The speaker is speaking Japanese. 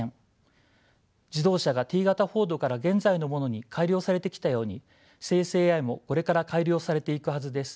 自動車がＴ型フォードから現在のものに改良されてきたように生成ＡＩもこれから改良されていくはずです。